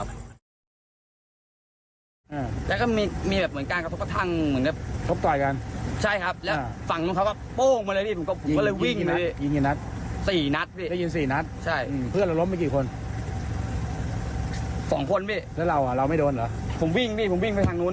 ผมวิ่งพี่ผมวิ่งไปทางนู้นพี่